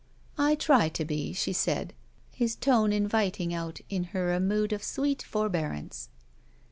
"I try to be," she said, his tone inviting out in her a mood of sweet forbearance.